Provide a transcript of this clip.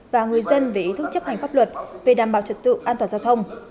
và người dân về ý thức chấp hành pháp luật về đảm bảo trật tự an toàn giao thông